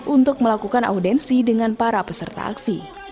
untuk melakukan audensi dengan para peserta aksi